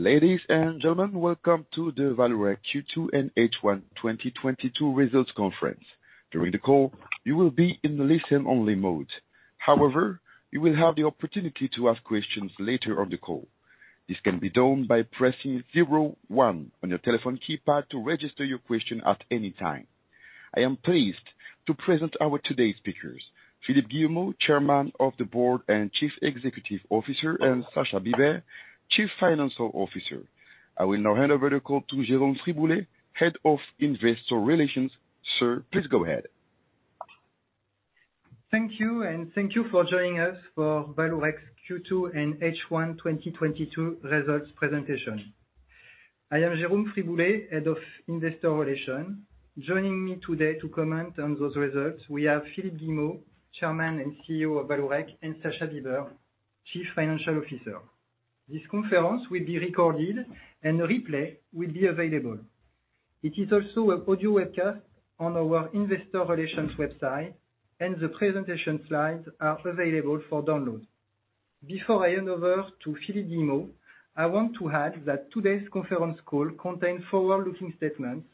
Ladies and gentlemen, welcome to the Vallourec Q2 and H1 2022 Results Conference. During the call, you will be in listen only mode. However, you will have the opportunity to ask questions later on the call. This can be done by pressing zero one on your telephone keypad to register your question at any time. I am pleased to present our today's speakers, Philippe Guillemot, Chairman of the Board and Chief Executive Officer, and Sascha Bibert, Chief Financial Officer. I will now hand over the call to Jérôme Friboulet, Head of Investor Relations. Sir, please go ahead. Thank you, and thank you for joining us for Vallourec's Q2 and H1 2022 results presentation. I am Jérôme Friboulet, Head of Investor Relations. Joining me today to comment on those results, we have Philippe Guillemot, Chairman and CEO of Vallourec, and Sascha Bibert, Chief Financial Officer. This conference will be recorded and a replay will be available. It is also an audio webcast on our investor relations website, and the presentation slides are available for download. Before I hand over to Philippe Guillemot, I want to add that today's conference call contains forward-looking statements,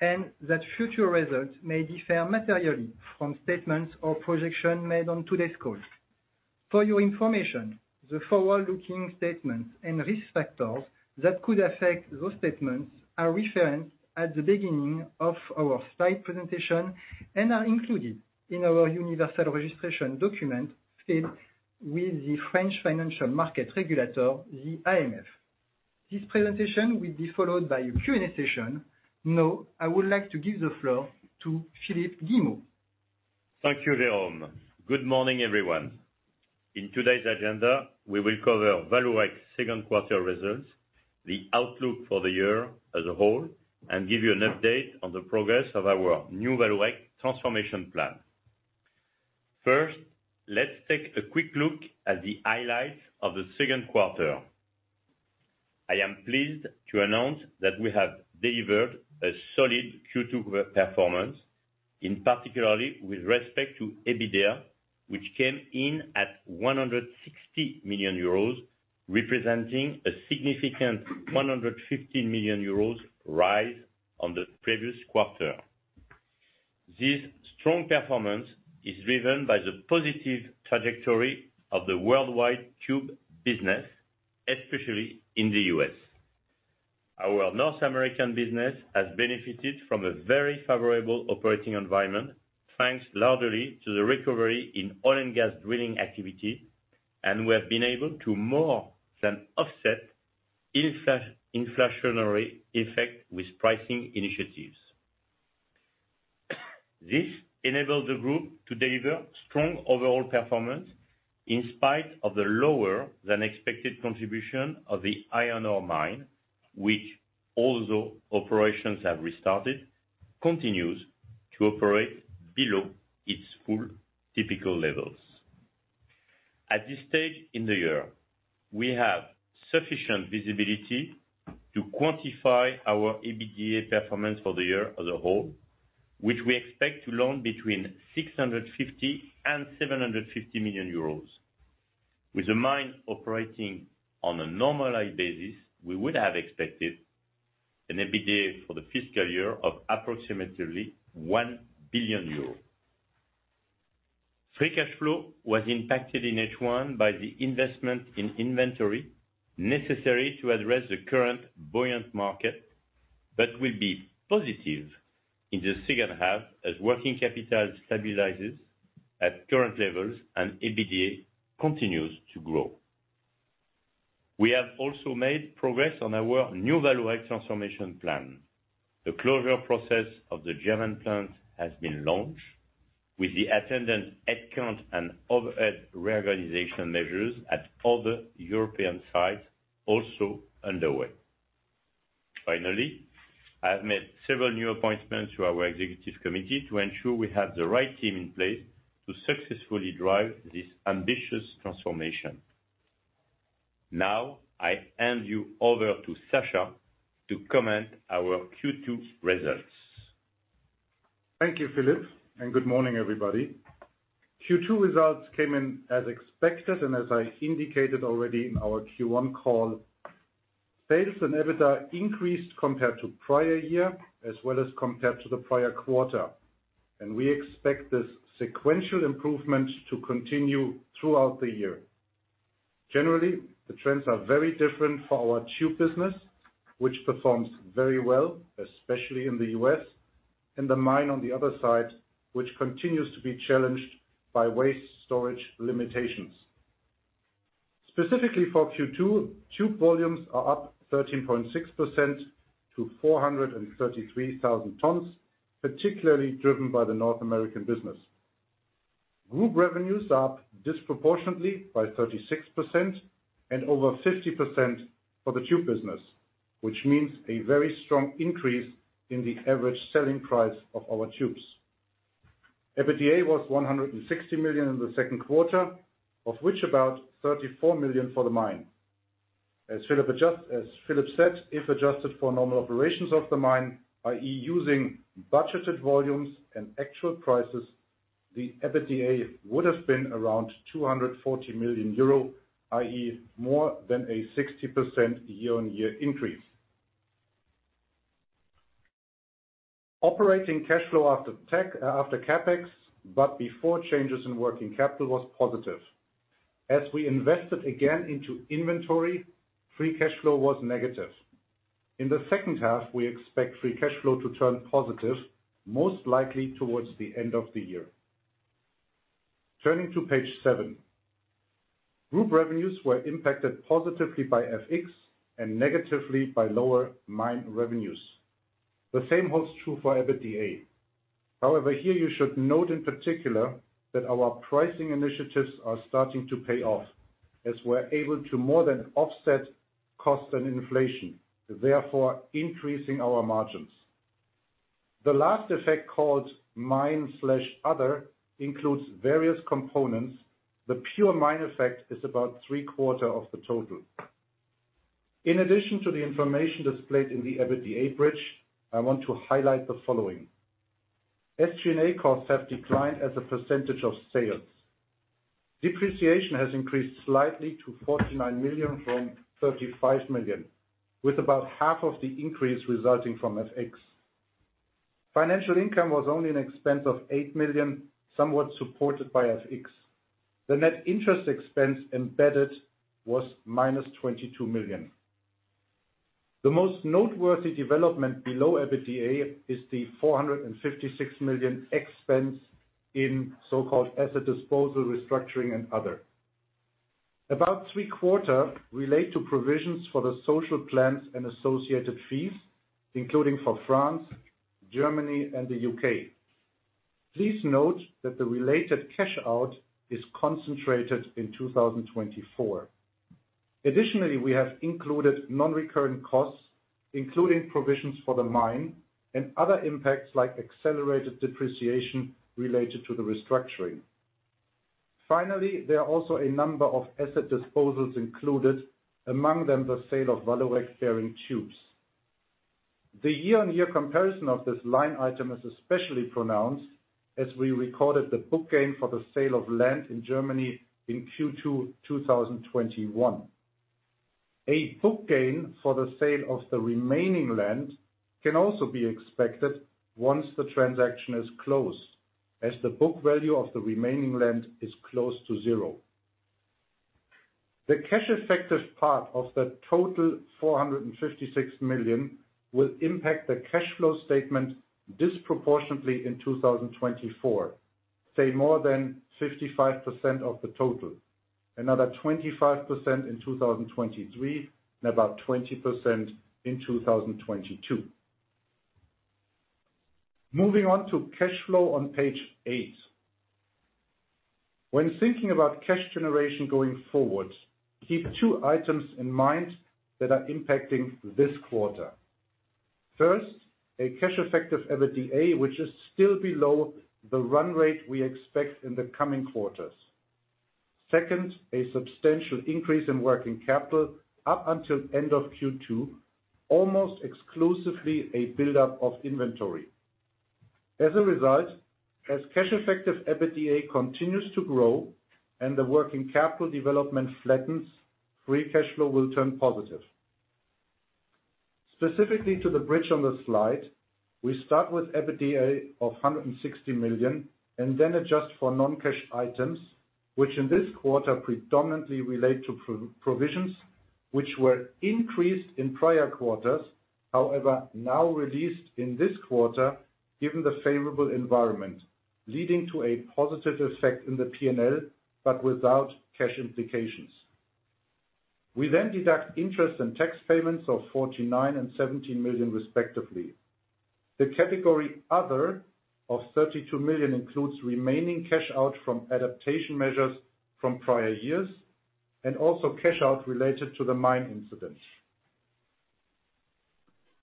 and that future results may differ materially from statements or projections made on today's call. For your information, the forward-looking statements and risk factors that could affect those statements are referenced at the beginning of our slide presentation and are included in our universal registration document filed with the French financial market regulator, the AMF. This presentation will be followed by a Q&A session. Now, I would like to give the floor to Philippe Guillemot. Thank you, Jérôme. Good morning, everyone. In today's agenda, we will cover Vallourec's second quarter results, the outlook for the year as a whole, and give you an update on the progress of our New Vallourec transformation plan. First, let's take a quick look at the highlights of the second quarter. I am pleased to announce that we have delivered a solid Q2 performance, in particular with respect to EBITDA, which came in at 160 million euros, representing a significant 150 million euros rise on the previous quarter. This strong performance is driven by the positive trajectory of the worldwide tube business, especially in the U.S. Our North American business has benefited from a very favorable operating environment, thanks largely to the recovery in oil and gas drilling activity, and we have been able to more than offset inflationary effect with pricing initiatives. This enabled the group to deliver strong overall performance in spite of the lower than expected contribution of the iron ore mine, which although operations have restarted, continues to operate below its full typical levels. At this stage in the year, we have sufficient visibility to quantify our EBITDA performance for the year as a whole, which we expect to land between 650 million and 750 million euros. With the mine operating on a normalized basis, we would have expected an EBITDA for the fiscal year of approximately 1 billion euros. Free cash flow was impacted in H1 by the investment in inventory necessary to address the current buoyant market, but will be positive in the second half as working capital stabilizes at current levels and EBITDA continues to grow. We have also made progress on our New Vallourec transformation plan. The closure process of the German plant has been launched with the attendant headcount and overhead reorganization measures at other European sites also underway. Finally, I have made several new appointments to our executive committee to ensure we have the right team in place to successfully drive this ambitious transformation. Now, I hand you over to Sascha to comment on our Q2 results. Thank you, Philippe, and good morning, everybody. Q2 results came in as expected, and as I indicated already in our Q1 call, sales and EBITDA increased compared to prior year, as well as compared to the prior quarter. We expect this sequential improvement to continue throughout the year. Generally, the trends are very different for our tube business, which performs very well, especially in the U.S., and the mine on the other side, which continues to be challenged by waste storage limitations. Specifically for Q2, tube volumes are up 13.6% to 433,000 tons, particularly driven by the North American business. Group revenues are up disproportionately by 36% and over 50% for the tube business, which means a very strong increase in the average selling price of our tubes. EBITDA was 160 million in the second quarter, of which about 34 million for the mine. As Philippe said, if adjusted for normal operations of the mine, i.e., using budgeted volumes and actual prices. The EBITDA would have been around 240 million euro, i.e. more than a 60% year-on-year increase. Operating cash flow after CapEx, but before changes in working capital was positive. As we invested again into inventory, free cash flow was negative. In the second half, we expect free cash flow to turn positive, most likely towards the end of the year. Turning to page seven. Group revenues were impacted positively by FX and negatively by lower mine revenues. The same holds true for EBITDA. However, here you should note in particular that our pricing initiatives are starting to pay off, as we're able to more than offset costs and inflation, therefore, increasing our margins. The last effect, called mix/other, includes various components. The pure mix effect is about three-quarters of the total. In addition to the information displayed in the EBITDA bridge, I want to highlight the following. SG&A costs have declined as a percentage of sales. Depreciation has increased slightly to 49 million from 35 million, with about half of the increase resulting from FX. Financial income was only an expense of 8 million, somewhat supported by FX. The net interest expense embedded was -22 million. The most noteworthy development below EBITDA is the 456 million expense in so-called asset disposal, restructuring, and other. About three-quarters relate to provisions for the social plans and associated fees, including for France, Germany, and the UK. Please note that the related cash out is concentrated in 2024. Additionally, we have included non-recurring costs, including provisions for the mine and other impacts like accelerated depreciation related to the restructuring. Finally, there are also a number of asset disposals included, among them the sale of Vallourec Bearing Tubes. The year-on-year comparison of this line item is especially pronounced as we recorded the book gain for the sale of land in Germany in Q2 2021. A book gain for the sale of the remaining land can also be expected once the transaction is closed, as the book value of the remaining land is close to zero. The cash-effective part of the total 456 million will impact the cash flow statement disproportionately in 2024, say more than 55% of the total, another 25% in 2023, and about 20% in 2022. Moving on to cash flow on page eight. When thinking about cash generation going forward, keep two items in mind that are impacting this quarter. First, a cash effective EBITDA, which is still below the run rate we expect in the coming quarters. Second, a substantial increase in working capital up until end of Q2, almost exclusively a buildup of inventory. As a result, as cash-effective EBITDA continues to grow and the working capital development flattens, free cash flow will turn positive. Specifically to the bridge on the slide, we start with EBITDA of 160 million and then adjust for non-cash items, which in this quarter predominantly relate to provisions which were increased in prior quarters, however, now released in this quarter, given the favorable environment, leading to a positive effect in the P&L, but without cash implications. We then deduct interest and tax payments of 49 million and 17 million, respectively. The category other of 32 million includes remaining cash out from adaptation measures from prior years and also cash out related to the mine incident.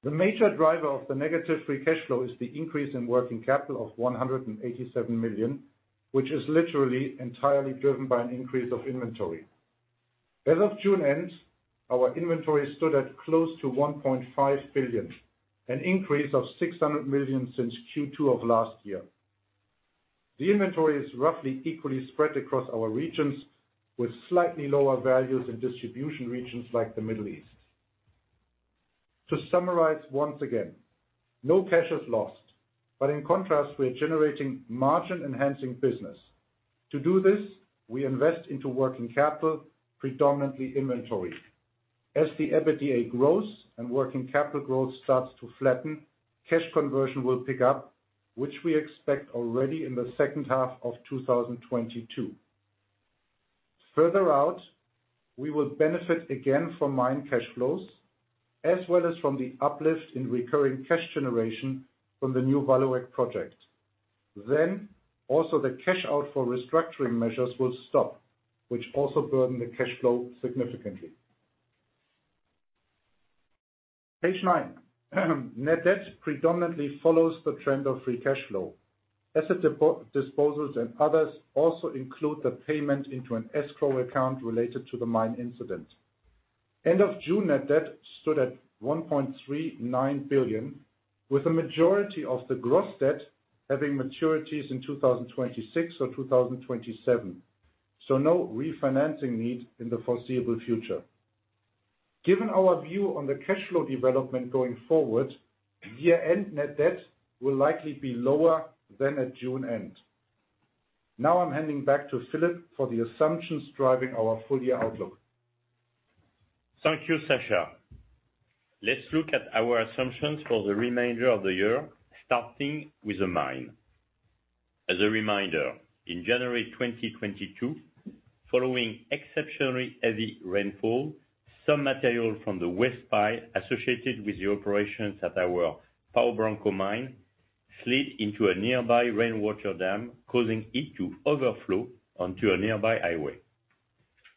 The major driver of the negative free cash flow is the increase in working capital of 187 million, which is literally entirely driven by an increase of inventory. As of June end, our inventory stood at close to 1.5 billion, an increase of 600 million since Q2 of last year. The inventory is roughly equally spread across our regions, with slightly lower values in distribution regions like the Middle East. To summarize once again, no cash is lost, but in contrast, we are generating margin-enhancing business. To do this, we invest into working capital, predominantly inventory. As the EBITDA grows and working capital growth starts to flatten, cash conversion will pick up, which we expect already in the second half of 2022. Further out, we will benefit again from main cash flows as well as from the uplift in recurring cash generation from the new Vallourec project. The cash out for restructuring measures will stop, which also burden the cash flow significantly. Page nine. Net debt predominantly follows the trend of free cash flow. Asset disposals and others also include the payment into an escrow account related to the mine incident. End of June net debt stood at 1.39 billion, with the majority of the gross debt having maturities in 2026 or 2027. No refinancing needs in the foreseeable future. Given our view on the cash flow development going forward, year-end net debt will likely be lower than at June end. Now I'm handing back to Philippe for the assumptions driving our full-year outlook. Thank you, Sascha. Let's look at our assumptions for the remainder of the year, starting with the mine. As a reminder, in January 2022, following exceptionally heavy rainfall, some material from the waste pile associated with the operations at our Pau Branco mine slid into a nearby rainwater dam, causing it to overflow onto a nearby highway.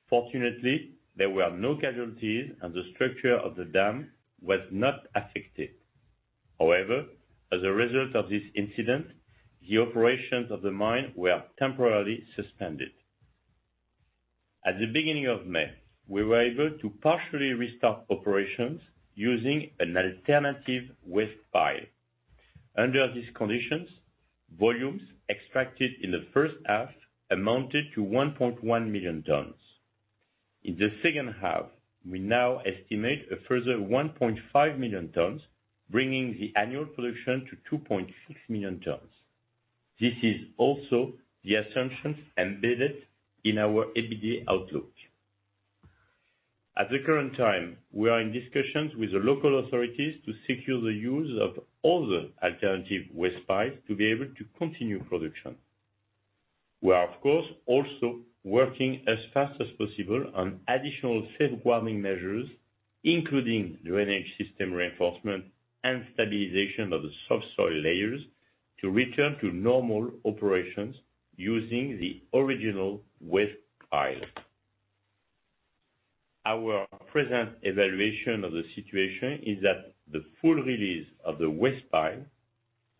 Fortunately, there were no casualties, and the structure of the dam was not affected. However, as a result of this incident, the operations of the mine were temporarily suspended. At the beginning of May, we were able to partially restart operations using an alternative waste pile. Under these conditions, volumes extracted in the first half amounted to 1.1 million tons. In the second half, we now estimate a further 1.5 million tons, bringing the annual production to 2.6 million tons. This is also the assumptions embedded in our EBITDA outlook. At the current time, we are in discussions with the local authorities to secure the use of other alternative waste piles to be able to continue production. We are, of course, also working as fast as possible on additional safeguarding measures, including drainage system reinforcement and stabilization of the soft soil layers, to return to normal operations using the original waste pile. Our present evaluation of the situation is that the full release of the waste pile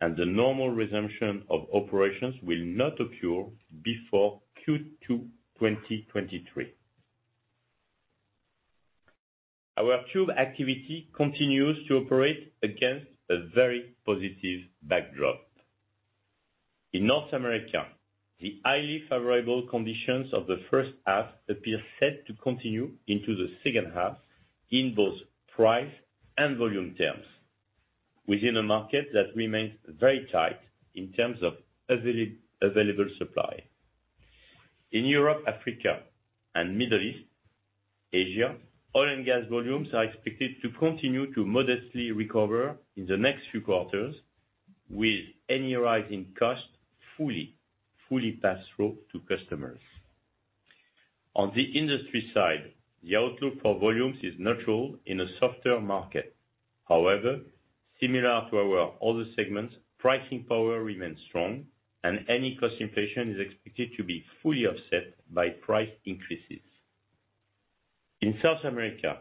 and the normal resumption of operations will not occur before Q2 2023. Our tube activity continues to operate against a very positive backdrop. In North America, the highly favorable conditions of the first half appear set to continue into the second half in both price and volume terms within a market that remains very tight in terms of available supply. In Europe, Africa, and Middle East, Asia, oil and gas volumes are expected to continue to modestly recover in the next few quarters, with any rise in cost fully passed through to customers. On the industry side, the outlook for volumes is neutral in a softer market. However, similar to our other segments, pricing power remains strong, and any cost inflation is expected to be fully offset by price increases. In South America,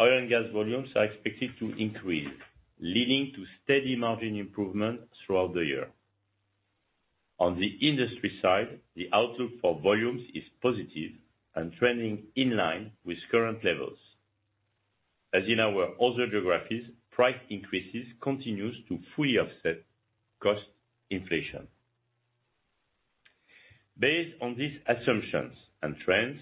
oil and gas volumes are expected to increase, leading to steady margin improvement throughout the year. On the industry side, the outlook for volumes is positive and trending in line with current levels. As in our other geographies, price increases continues to fully offset cost inflation. Based on these assumptions and trends,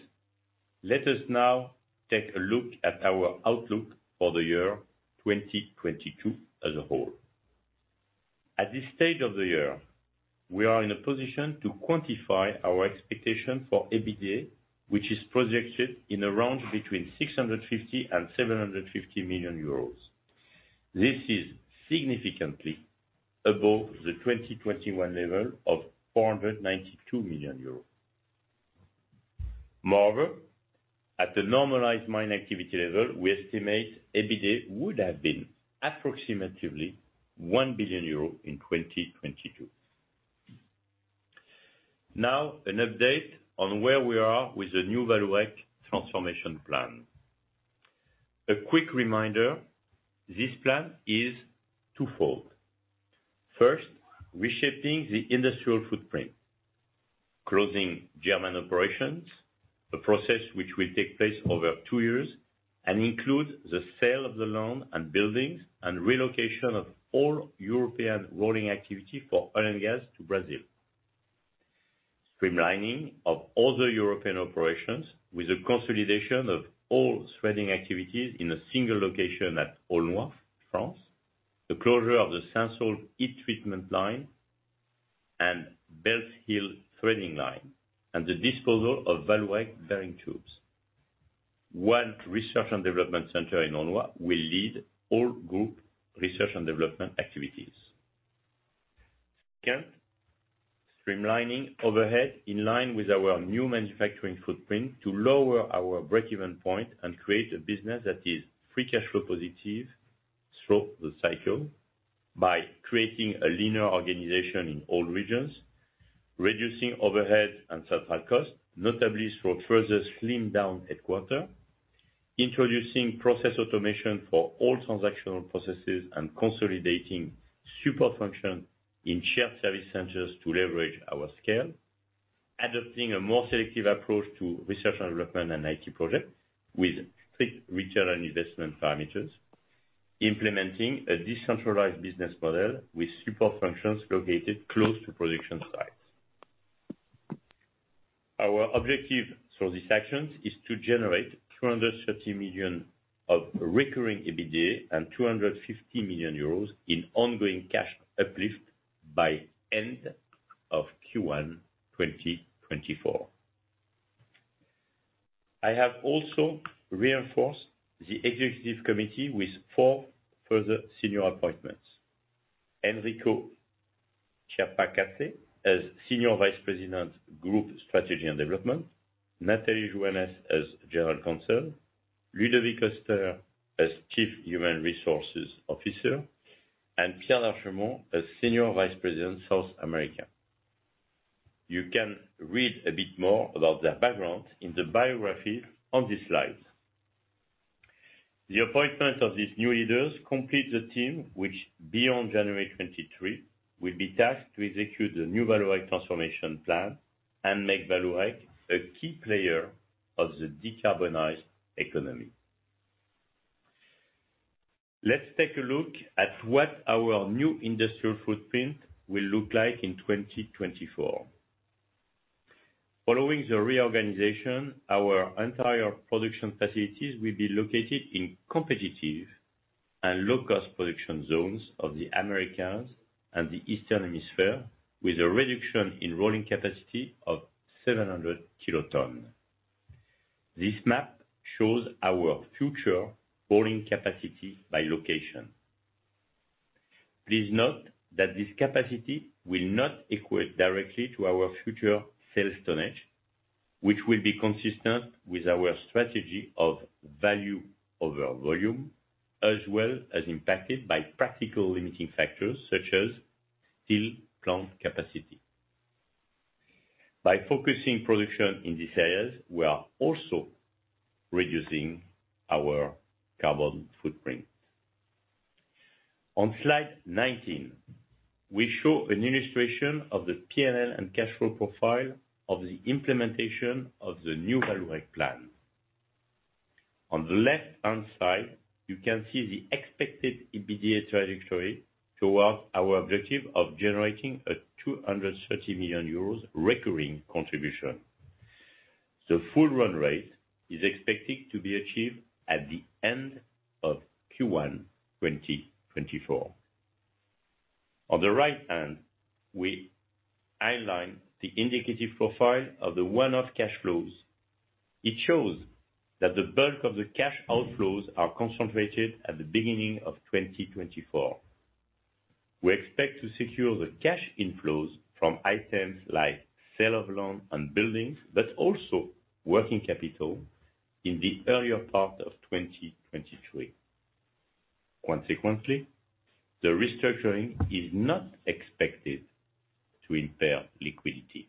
let us now take a look at our outlook for the year 2022 as a whole. At this stage of the year, we are in a position to quantify our expectation for EBITDA, which is projected in a range between 650 million and 750 million euros. This is significantly above the 2021 level of 492 million euros. Moreover, at the normalized main activity level, we estimate EBITDA would have been approximately 1 billion euro in 2022. Now an update on where we are with the New Vallourec transformation plan. A quick reminder, this plan is twofold. First, reshaping the industrial footprint. Closing German operations, a process which will take place over 2 years and includes the sale of the land and buildings and relocation of all European rolling activity for oil and gas to Brazil. Streamlining of all the European operations with the consolidation of all threading activities in a single location at Aulnoye, France. The closure of the Saint-Saulve heat treatment line and Bellshill threading line, and the disposal of Vallourec Bearing Tubes. One research and development center in Aulnoye will lead all group research and development activities. Second, streamlining overhead in line with our new manufacturing footprint to lower our break-even point and create a business that is free cash flow positive throughout the cycle by creating a leaner organization in all regions, reducing overhead and supply cost, notably through a further slimmed down headquarters, introducing process automation for all transactional processes, and consolidating support functions in shared service centers to leverage our scale. Adopting a more selective approach to research and development and IT projects with strict return on investment parameters. Implementing a decentralized business model with support functions located close to production sites. Our objective for these actions is to generate 330 million of recurring EBITDA and 250 million euros in ongoing cash uplift by end of Q1 2024. I have also reinforced the executive committee with four further senior appointments. Enrico Schiappacasse as Senior Vice President, Group Strategy and Development, Nathalie Joannes as General Counsel, Ludovic Oster as Chief Human Resources Officer, and Pierre d'Archemont as Senior Vice President, South America. You can read a bit more about their background in the biography on this slide. The appointment of these new leaders completes the team which beyond January 2023 will be tasked to execute the New Vallourec transformation plan and make Vallourec a key player of the decarbonized economy. Let's take a look at what our new industrial footprint will look like in 2024. Following the reorganization, our entire production facilities will be located in competitive and low cost production zones of the Americas and the Eastern Hemisphere, with a reduction in rolling capacity of 700 kilotons. This map shows our future rolling capacity by location. Please note that this capacity will not equate directly to our future sales tonnage, which will be consistent with our strategy of value over volume, as well as impacted by practical limiting factors such as steel plant capacity. By focusing production in these areas, we are also reducing our carbon footprint. On slide 19, we show an illustration of the P&L and cash flow profile of the implementation of the New Vallourec plan. On the left hand side, you can see the expected EBITDA trajectory towards our objective of generating a 230 million euros recurring contribution. The full run rate is expected to be achieved at the end of Q1 2024. On the right hand, we outline the indicative profile of the one-off cash flows. It shows that the bulk of the cash outflows are concentrated at the beginning of 2024. We expect to secure the cash inflows from items like sale of land and buildings, but also working capital in the earlier part of 2023. Consequently, the restructuring is not expected to impair liquidity.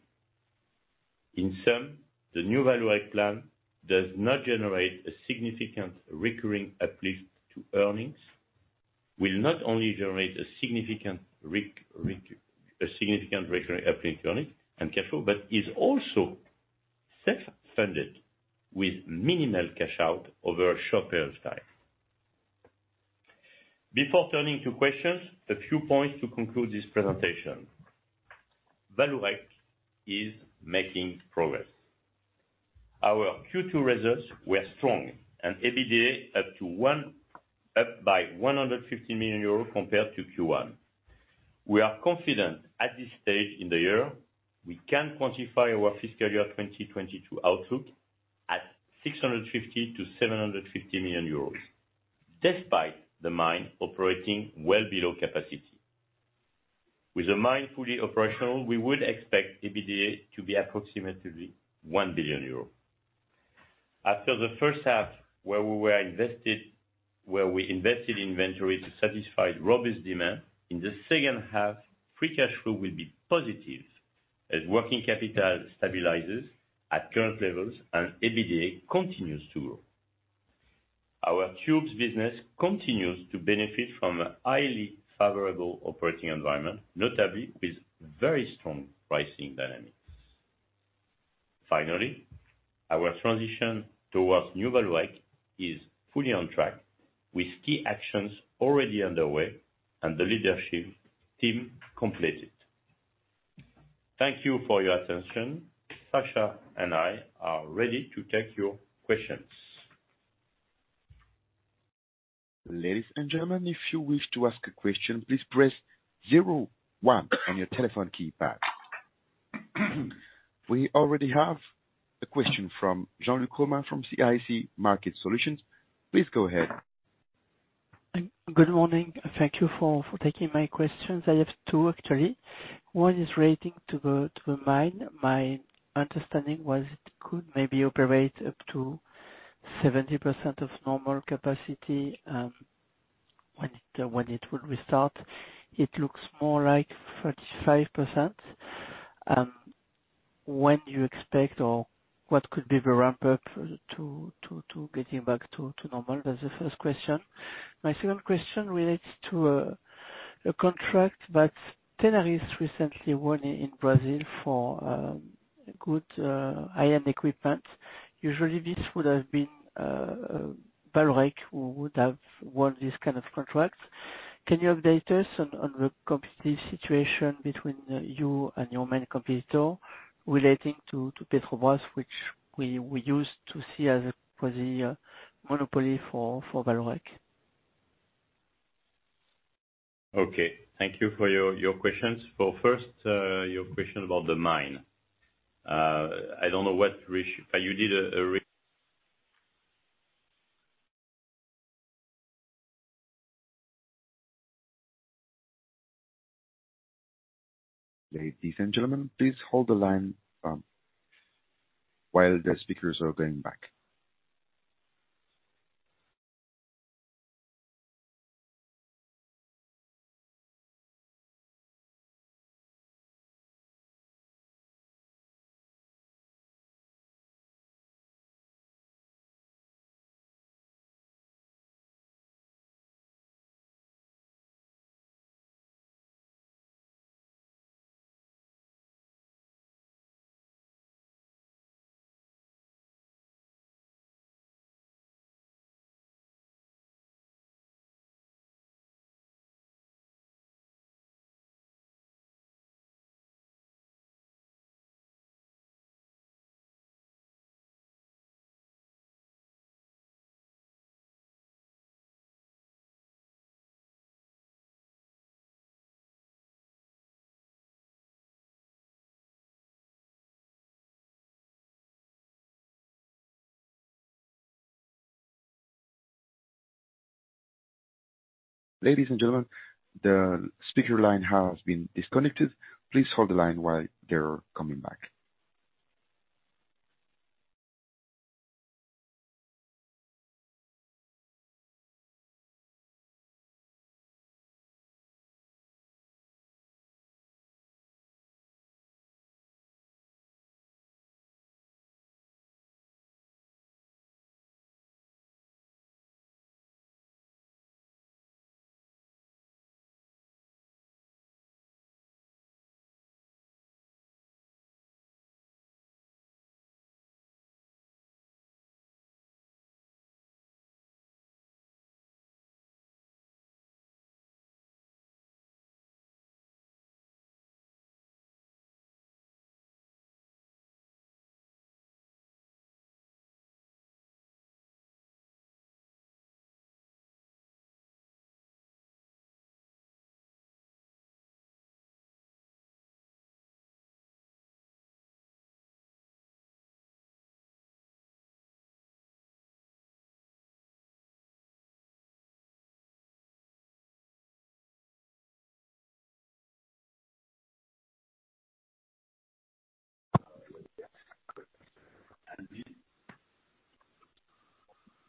In sum, the New Vallourec plan will not only generate a significant recurring uplift to earnings and cash flow, but is also self-funded with minimal cash out over a short period of time. Before turning to questions, a few points to conclude this presentation. Vallourec is making progress. Our Q2 results were strong and EBITDA up by 150 million euros compared to Q1. We are confident at this stage in the year we can quantify our fiscal year 2022 outlook at 650 million-750 million euros, despite the mine operating well below capacity. With the mine fully operational, we would expect EBITDA to be approximately 1 billion euros. After the first half where we invested in inventory to satisfy robust demand, in the second half, free cash flow will be positive as working capital stabilizes at current levels and EBITDA continues to grow. Our tubes business continues to benefit from a highly favorable operating environment, notably with very strong pricing dynamics. Finally, our transition towards New Vallourec is fully on track with key actions already underway and the leadership team completed. Thank you for your attention. Sascha and I are ready to take your questions. Ladies and gentlemen, if you wish to ask a question, please press zero one on your telephone keypad. We already have a question from Jean-Luc Romain from CIC Market Solutions. Please go ahead. Good morning. Thank you for taking my questions. I have two actually. One is relating to the mine. My understanding was it could maybe operate up to 70% of normal capacity when it will restart. It looks more like 35%. When do you expect or what could be the ramp up to getting back to normal? That's the first question. My second question relates to a contract that Tenaris recently won in Brazil for good iron equipment. Usually this would have been Vallourec who would have won this kind of contract. Can you update us on the competitive situation between you and your main competitor relating to Petrobras, which we used to see as a monopoly for Vallourec? Okay. Thank you for your questions. First, your question about the mine. I don't know what you did a re Ladies and gentlemen, please hold the line while the speakers are going back. Ladies and gentlemen, the speaker line has been disconnected. Please hold the line while they're coming back.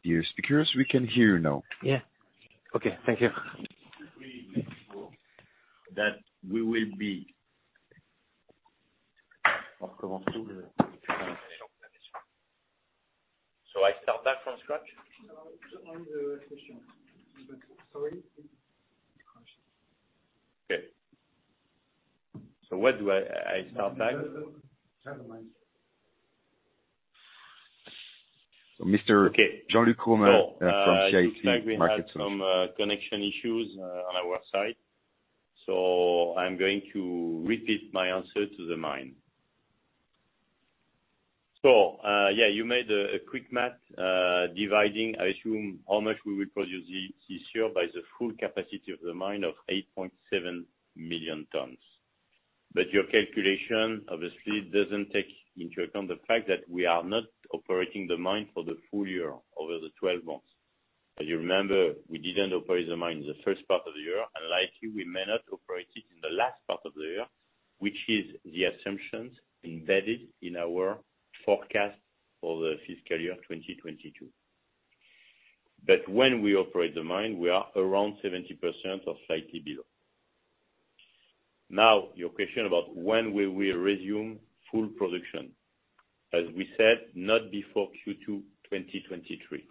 Dear speakers, we can hear you now. Yeah. Okay. Thank you. I start that from scratch? No, on the questions. Sorry. Okay. Where do I start back? No, never mind. Okay. Jean-Luc Romain, from CIC Market Solutions. It looks like we had some connection issues on our side. I'm going to repeat my answer to the mine. You made a quick math dividing, I assume, how much we will produce this year by the full capacity of the mine of 8.7 million tons. Your calculation obviously doesn't take into account the fact that we are not operating the mine for the full year over the 12 months. As you remember, we didn't operate the mine the first part of the year, and likely we may not operate it in the last part of the year, which is the assumptions embedded in our forecast for the fiscal year 2022. When we operate the mine, we are around 70% or slightly below. Now, your question about when will we resume full production, as we said, not before Q2 2023.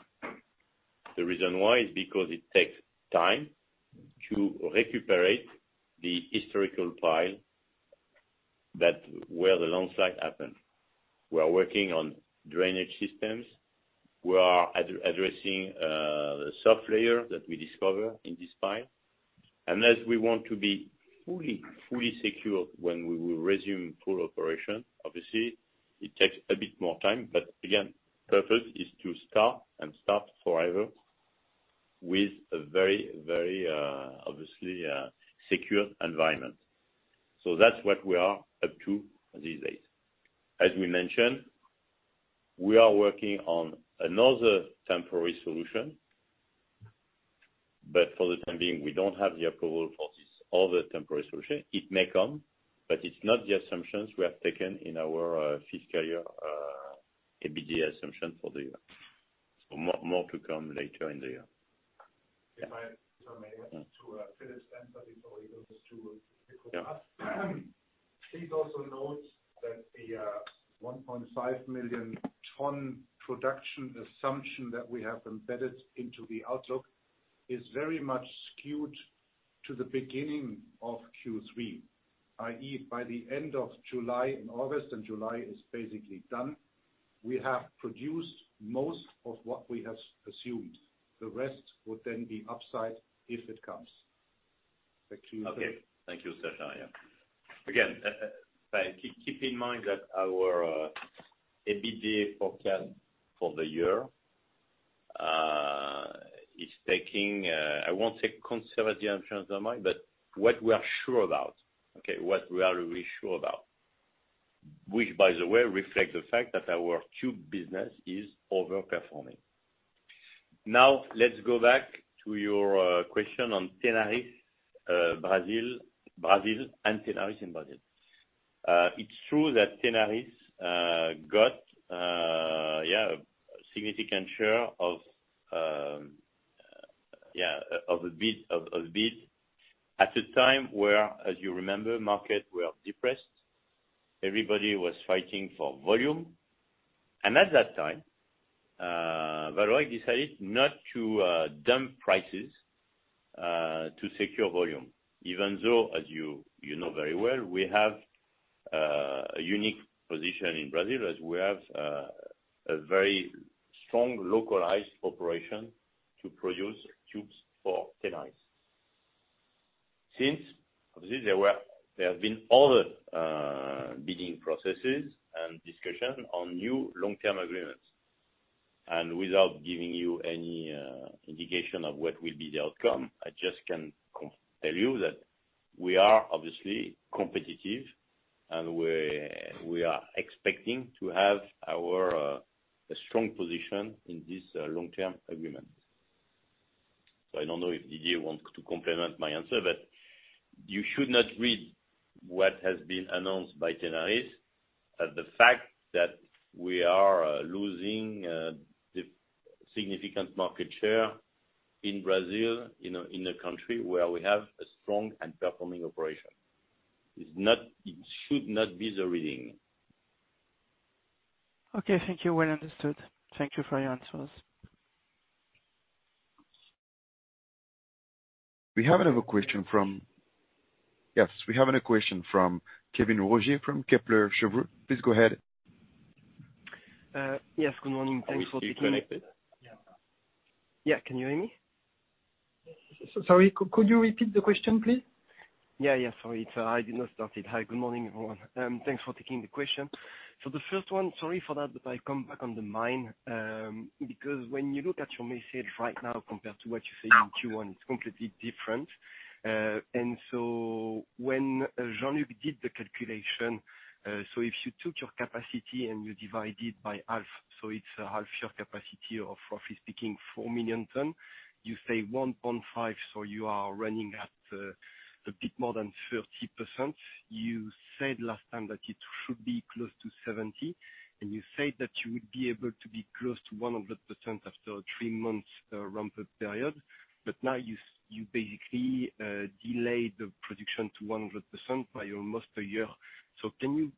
The reason why is because it takes time to recuperate the historical pile where the landslide happened. We are working on drainage systems. We are addressing the soft layer that we discover in this pile. Unless we want to be fully secure when we will resume full operation, obviously it takes a bit more time, but again, purpose is to start and start forever with a very obviously secure environment. That's what we are up to these days. As we mentioned, we are working on another temporary solution, but for the time being, we don't have the approval for this other temporary solution. It may come, but it's not the assumptions we have taken in our fiscal year EBITDA assumption for the year. More to come later in the year. Yeah. If I may finish then, but it's always goes to. Yeah. Please also note that the 1.5 million ton production assumption that we have embedded into the outlook is very much skewed to the beginning of Q3, i.e., by the end of July and August, and July is basically done. We have produced most of what we have assumed. The rest would then be upside if it comes. Back to you. Okay. Thank you, Sascha. Again, keep in mind that our EBITDA forecast for the year is taking, I won't say conservative in terms of mind, but what we are sure about, okay? What we are really sure about. Which, by the way, reflect the fact that our tube business is overperforming. Now let's go back to your question on Tenaris, Brazil and Tenaris in Brazil. It's true that Tenaris got a significant share of the bid at a time where, as you remember, markets were depressed. Everybody was fighting for volume. At that time, Vallourec decided not to dump prices to secure volume, even though, as you know very well, we have a unique position in Brazil, as we have a very strong localized operation to produce tubes for Tenaris. Since obviously there were there have been other bidding processes and discussions on new long-term agreements. Without giving you any indication of what will be the outcome, I just can tell you that we are obviously competitive, and we are expecting to have a strong position in this long-term agreement. I don't know if Didier wants to complement my answer, but you should not read what has been announced by Tenaris as the fact that we are losing the significant market share in Brazil, in a country where we have a strong and performing operation. It's not. It should not be the reading. Okay. Thank you. Well understood. Thank you for your answers. Yes, we have another question from Kevin Roger from Kepler Cheuvreux. Please go ahead. Yes. Good morning. Thanks for taking me. Are we connected? Yeah. Can you hear me? Sorry, could you repeat the question, please? Yeah, sorry. I did not start it. Hi, good morning, everyone. Thanks for taking the question. The first one, sorry for that, but I come back on the mill. Because when you look at your metrics right now compared to what you said in Q1, it's completely different. When Jean-Luc did the calculation, if you took your capacity and you divide it by half, it's half your capacity of roughly speaking 4 million tons, you say 1.5, so you are running at a bit more than 30%. You said last time that it should be close to 70%, and you said that you would be able to be close to 100% after 3 months ramp-up period. Now you basically delayed the production to 100% by almost a year. Can you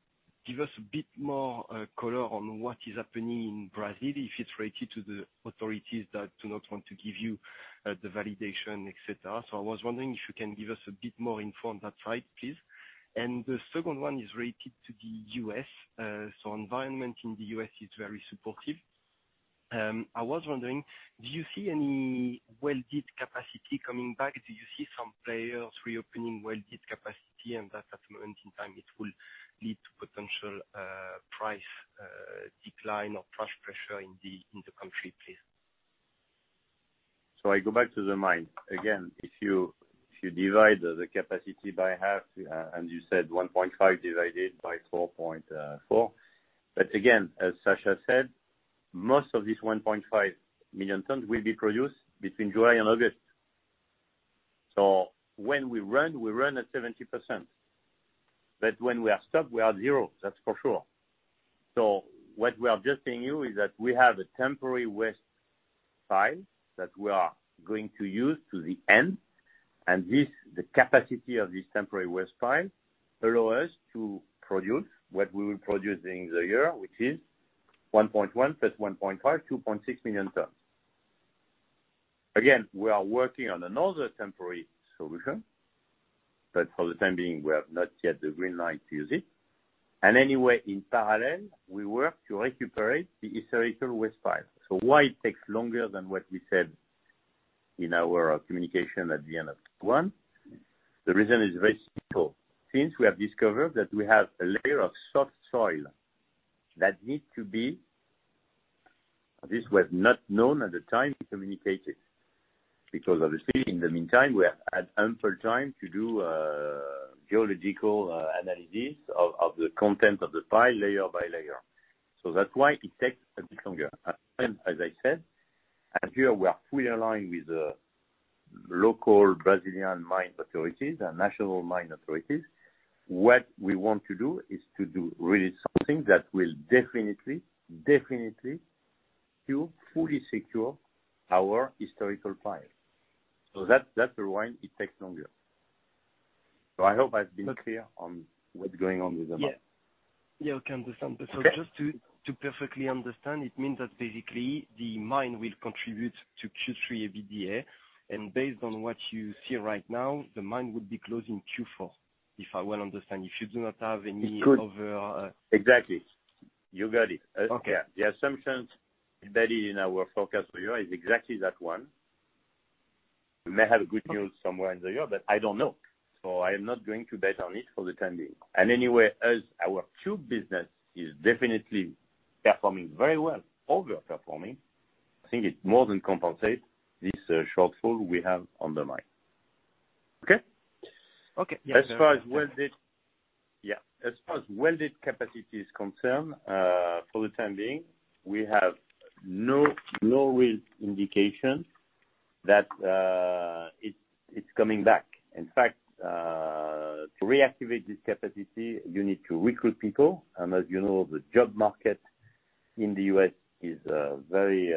give us a bit more color on what is happening in Brazil, if it's related to the authorities that do not want to give you the validation, et cetera. I was wondering if you can give us a bit more info on that side, please. The second one is related to the U.S. Environment in the U.S. is very supportive. I was wondering, do you see any welded capacity coming back? Do you see some players reopening welded capacity and that at a moment in time it will lead to potential price decline or price pressure in the country, please? I go back to the mill. Again, if you divide the capacity by half, and you said 1.5 divided by 4.4. Again, as Sascha said, most of this 1.5 million tons will be produced between July and August. When we run, we run at 70%. When we are stopped, we are zero, that's for sure. What we are just saying to you is that we have a temporary waste pile that we are going to use to the end. This, the capacity of this temporary waste pile allow us to produce what we will produce during the year, which is 1.1 + 1.5, 2.6 million tons. Again, we are working on another temporary solution, but for the time being, we have not yet the green light to use it. Anyway, in parallel, we work to recuperate the historical waste pile. Why it takes longer than what we said in our communication at the end of Q1? The reason is very simple. Since we have discovered that we have a layer of soft soil. This was not known at the time we communicated, because obviously, in the meantime, we have had ample time to do geological analysis of the content of the pile layer by layer. That's why it takes a bit longer. At the same time, as I said, and here we are fully aligned with the local Brazilian mine authorities and national mine authorities. What we want to do is to do really something that will definitely. To fully secure our historical file. That, that's the one, it takes longer. I hope I've been clear on what's going on with the mine. Yeah. Yeah, I can do something. Okay. Just to perfectly understand, it means that basically the mine will contribute to Q3 EBITDA. Based on what you see right now, the mine would be closed in Q4, if I will understand. If you do not have any other, Exactly. You got it. Okay. The assumptions embedded in our forecast for you is exactly that one. We may have good news somewhere in the year, but I don't know, so I am not going to bet on it for the time being. Anyway, as our tube business is definitely performing very well, over-performing, I think it more than compensates this shortfall we have on the mine. Okay? Okay. As far as welded capacity is concerned, for the time being, we have no real indication that it's coming back. In fact, to reactivate this capacity, you need to recruit people. As you know, the job market in the U.S. is very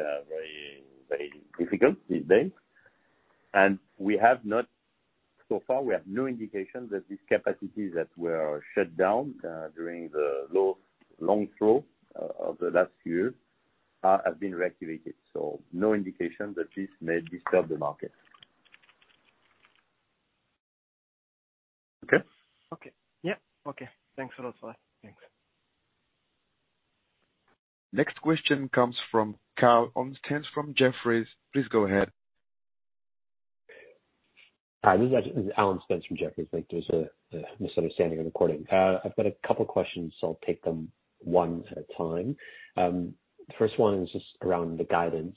difficult these days. So far, we have no indication that these capacities that were shut down during the low, long low of the last year have been reactivated. No indication that this may disturb the market. Okay? Okay. Yep. Okay. Thanks a lot. Bye. Thanks. Next question comes from Alan Spence from Jefferies. Please go ahead. Hi, this is Alan Spence from Jefferies. Think there's a misunderstanding on the recording. I've got a couple questions, so I'll take them one at a time. First one is just around the guidance.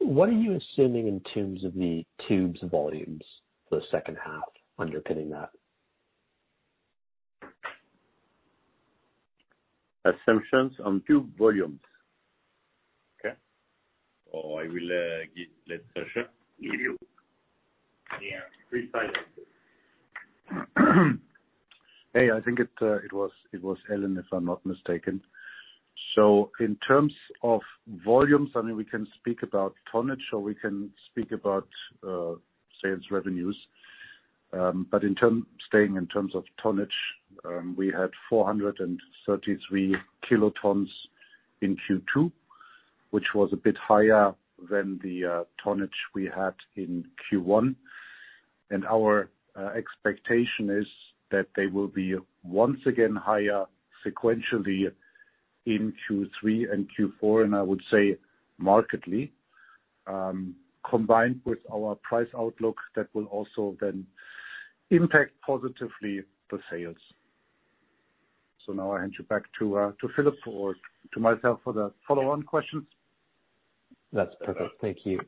What are you assuming in terms of the tubes volumes for the second half underpinning that? Assumptions on tube volumes. Okay. I will let Sascha give you the precise answer. Hey, I think it was Alan, if I'm not mistaken. In terms of volumes, I mean, we can speak about tonnage, or we can speak about sales revenues. Staying in terms of tonnage, we had 433 kilotons in Q2, which was a bit higher than the tonnage we had in Q1. Our expectation is that they will be once again higher sequentially in Q3 and Q4, and I would say markedly, combined with our price outlook that will also then impact positively the sales. Now I hand you back to Philippe or to myself for the follow-on questions. That's perfect. Thank you.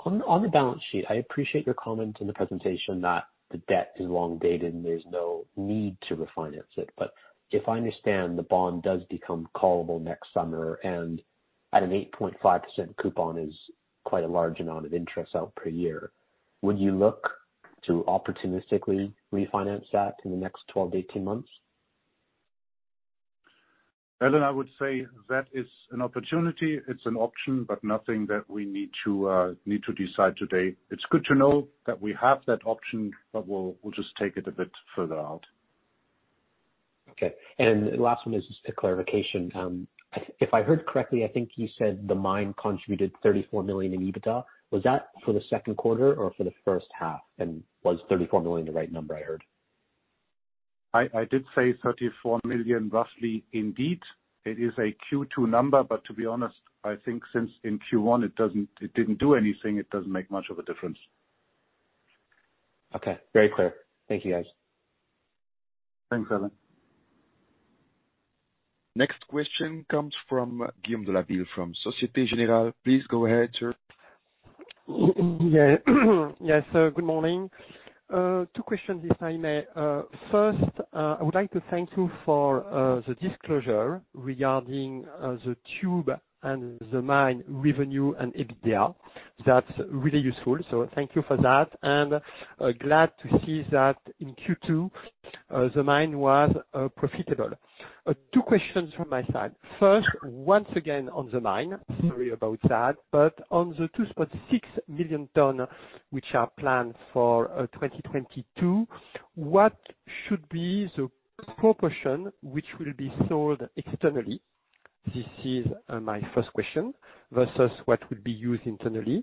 On the balance sheet, I appreciate your comment in the presentation that the debt is long dated and there's no need to refinance it. If I understand, the bond does become callable next summer, and at an 8.5% coupon is quite a large amount of interest out per year. Would you look to opportunistically refinance that in the next 12 to 18 months? Alan, I would say that is an opportunity, it's an option, but nothing that we need to decide today. It's good to know that we have that option, but we'll just take it a bit further out. Okay. Last one is just a clarification. If I heard correctly, I think you said the mine contributed 34 million in EBITDA. Was that for the second quarter or for the first half? Was 34 million the right number I heard? I did say roughly 34 million, indeed. It is a Q2 number, but to be honest, I think since in Q1 it didn't do anything, it doesn't make much of a difference. Okay. Very clear. Thank you, guys. Thanks, Alan. Next question comes from Guillaume Delaby from Société Générale. Please go ahead, sir. Yeah. Yes. Good morning. Two questions, if I may. First, I would like to thank you for the disclosure regarding the tube and the mine revenue and EBITDA. That's really useful, so thank you for that. Glad to see that in Q2, the mine was profitable. Two questions from my side. First, once again on the mine, sorry about that. On the 2.6 million ton, which are planned for 2022, what should be the proportion which will be sold externally? This is my first question. Versus what would be used internally.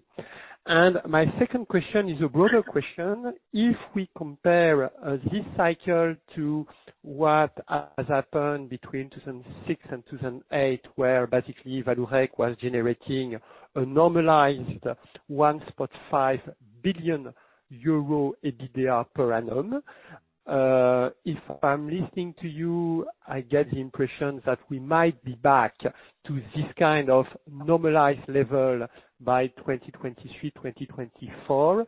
My second question is a broader question. If we compare this cycle to what has happened between 2006 and 2008, where basically Vallourec was generating a normalized 1.5 billion euro EBITDA per annum. If I'm listening to you, I get the impression that we might be back to this kind of normalized level by 2023, 2024.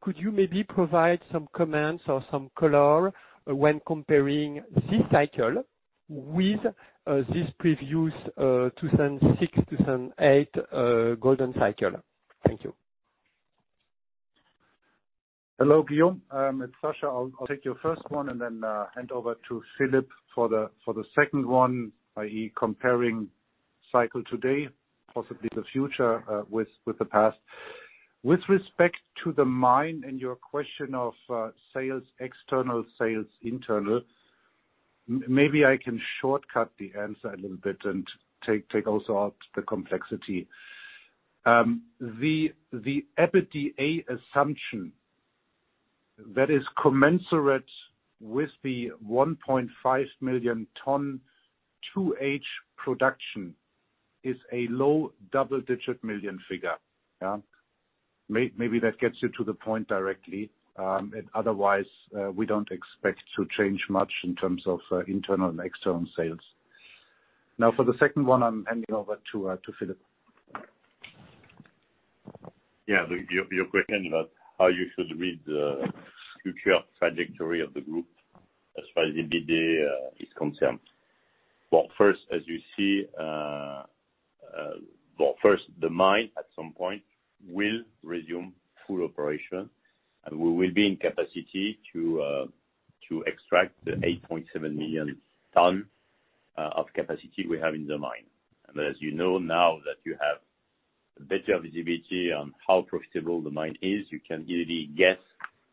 Could you maybe provide some comments or some color when comparing this cycle with this previous 2006, 2008 golden cycle? Thank you. Hello, Guillaume. It's Sascha. I'll take your first one and then hand over to Philippe for the second one, i.e., comparing cycle today, possibly the future, with the past. With respect to the mine and your question of sales external, sales internal, maybe I can shortcut the answer a little bit and take also out the complexity. The EBITDA assumption that is commensurate with the 1.5 million ton 2H production is a low double-digit million EUR figure. Yeah. Maybe that gets you to the point directly. Otherwise, we don't expect to change much in terms of internal and external sales. Now, for the second one, I'm handing over to Philippe. Yeah. Your question about how you should read the future trajectory of the group as far as EBITDA is concerned. Well, first, as you see, the mine at some point will resume full operation and we will be in capacity to extract the 8.7 million tons of capacity we have in the mine. As you know now that you have better visibility on how profitable the mine is, you can easily guess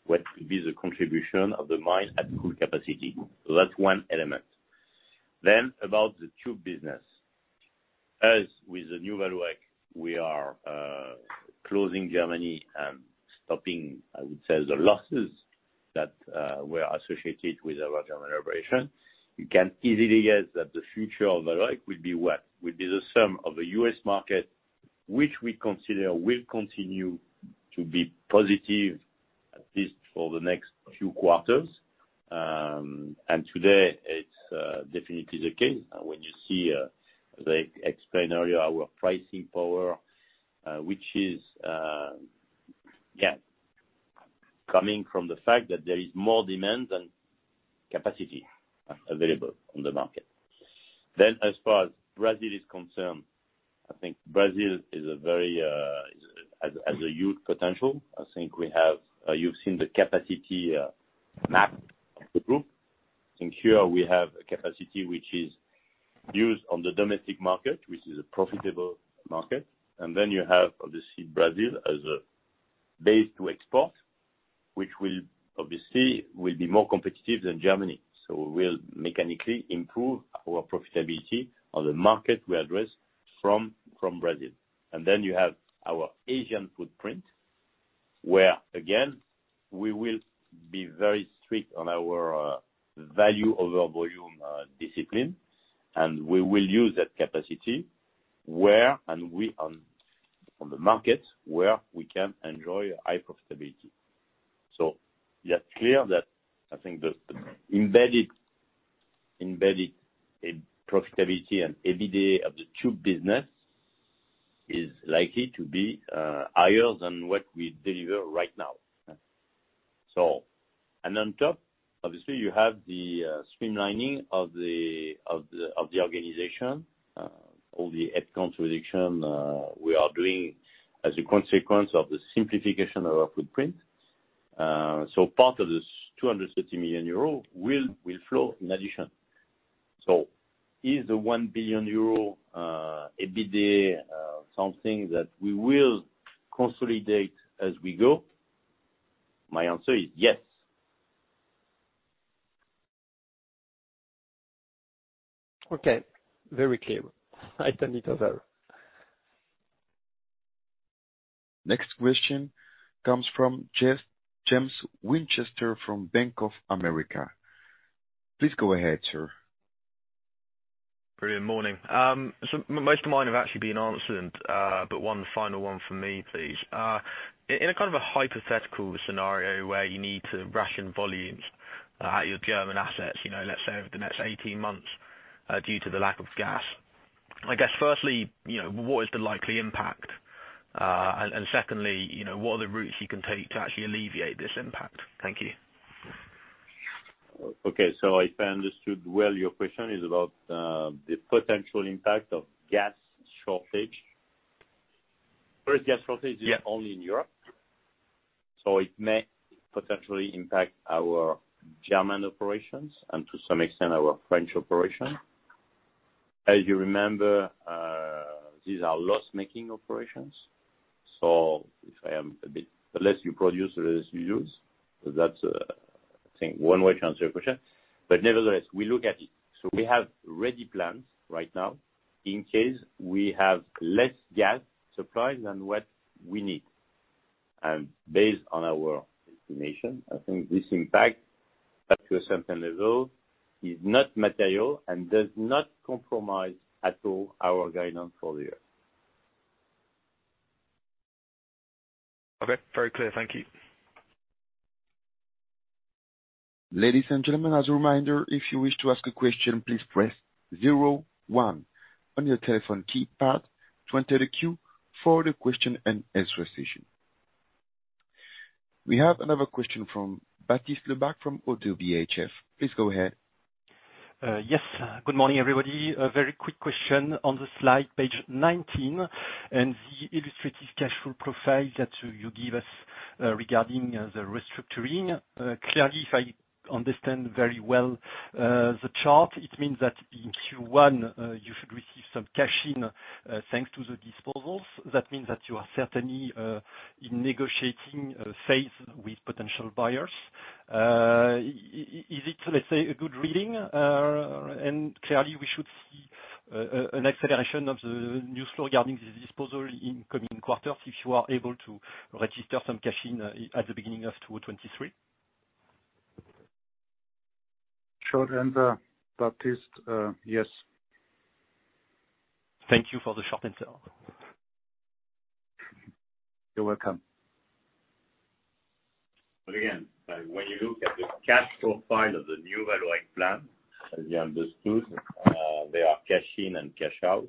what will be the contribution of the mine at full capacity. That's one element. About the tube business. As with the New Vallourec, we are closing Germany and stopping, I would say, the losses that were associated with our German operation. You can easily guess that the future of Vallourec will be what? Will be the sum of the U.S. market, which we consider will continue to be positive, at least for the next few quarters. Today it's definitely the case when you see, as I explained earlier, our pricing power, which is coming from the fact that there is more demand than capacity available on the market. As far as Brazil is concerned, I think Brazil is a very, has a huge potential. I think we have, you've seen the capacity map of the group. I think here we have a capacity which is used on the domestic market, which is a profitable market. You have obviously Brazil as a base to export, which will obviously be more competitive than Germany. We'll mechanically improve our profitability on the market we address from Brazil. You have our Asian footprint, where again, we will be very strict on our value over volume discipline, and we will use that capacity on the markets where we can enjoy high profitability. It is clear that I think the embedded profitability and EBITDA of the tube business is likely to be higher than what we deliver right now. On top, obviously you have the streamlining of the organization, all the head count reduction we are doing as a consequence of the simplification of our footprint. Part of this 230 million euro will flow in addition. Is the 1 billion euro EBITDA something that we will consolidate as we go? My answer is yes. Okay. Very clear. I turn it over. Next question comes from James Winchester from Bank of America. Please go ahead, sir. Brilliant. Morning. So most of mine have actually been answered. But one final one from me, please. In a kind of a hypothetical scenario where you need to ration volumes, at your German assets, you know, let's say over the next 18 months, due to the lack of gas. I guess firstly, you know, what is the likely impact? And secondly, you know, what are the routes you can take to actually alleviate this impact? Thank you. Okay. If I understood well, your question is about the potential impact of gas shortage. First, gas shortage is, yeah, only in Europe, so it may potentially impact our German operations and to some extent our French operations. As you remember, these are loss-making operations. If I am a bit, the less you produce, the less you use. That's, I think one way to answer your question. Nevertheless, we look at it. We have ready plans right now in case we have less gas supply than what we need. Based on our estimation, I think this impact up to a certain level is not material and does not compromise at all our guidance for the year. Okay. Very clear. Thank you. Ladies and gentlemen, as a reminder, if you wish to ask a question, please press zero one on your telephone keypad to enter the queue for the question and answer session. We have another question from Baptiste Lebacq from Oddo BHF. Please go ahead. Yes. Good morning, everybody. A very quick question on the slide page 19, and the illustrative cash flow profile that you give us, regarding the restructuring. Clearly, if I understand very well, the chart, it means that in Q1, you should receive some cash inflows thanks to the disposals. That means that you are certainly in negotiating phase with potential buyers. Is it, let's say, a good reading? Clearly we should see an acceleration of the inflow regarding this disposal in coming quarters if you are able to register some cash inflows at the beginning of 2023. Short answer, Baptiste, yes. Thank you for the short answer. You're welcome. Again, when you look at the cash flow profile of the New Vallourec plan, as you understood, there are cash in and cash out,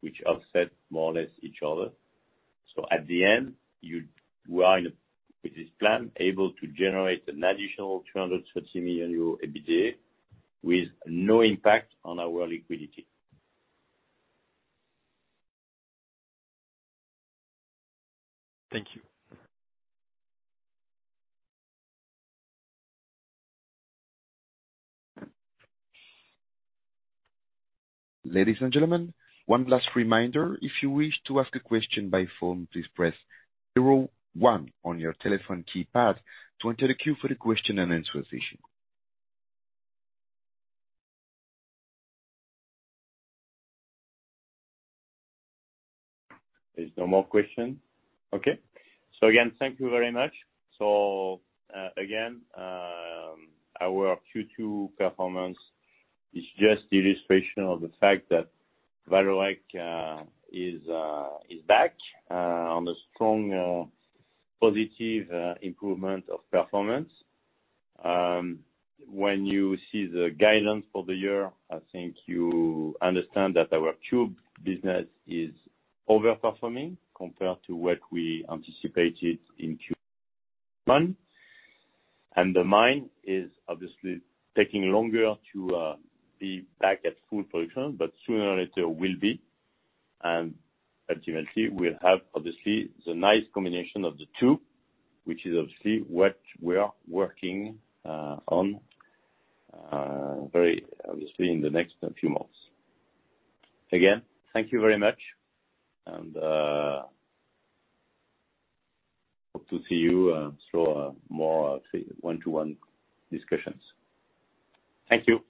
which offset more or less each other. At the end, we are with this plan, able to generate an additional 230 million euro EBITDA with no impact on our liquidity. Thank you. Ladies and gentlemen, one last reminder, if you wish to ask a question by phone, please press zero one on your telephone keypad to enter the queue for the question and answer session. There's no more questions. Okay. Again, thank you very much. Again, our Q2 performance is just the illustration of the fact that Vallourec is back on a strong positive improvement of performance. When you see the guidance for the year, I think you understand that our tube business is overperforming compared to what we anticipated in Q1. The mine is obviously taking longer to be back at full production, but sooner or later will be. As you will see, we'll have obviously the nice combination of the two, which is obviously what we are working on very obviously in the next few months. Again, thank you very much. Hope to see you through more one-to-one discussions. Thank you.